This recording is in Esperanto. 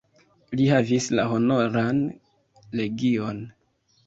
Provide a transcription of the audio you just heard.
Li havis la Honoran legion.